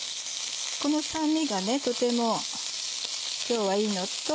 この酸味がとても今日はいいのと。